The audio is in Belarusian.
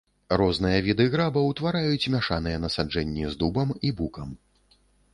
Розныя віды граба ўтвараюць мяшаныя насаджэнні з дубам і букам.